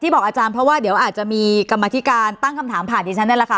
บอกอาจารย์เพราะว่าเดี๋ยวอาจจะมีกรรมธิการตั้งคำถามผ่านดิฉันนั่นแหละค่ะ